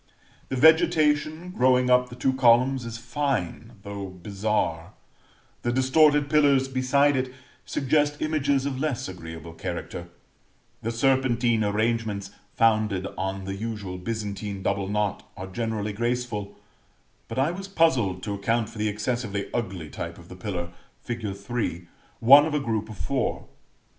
The vegetation growing up the two columns is fine, though bizarre; the distorted pillars beside it suggest images of less agreeable character; the serpentine arrangements founded on the usual Byzantine double knot are generally graceful; but I was puzzled to account for the excessively ugly type of the pillar, fig. 3, one of a group of four.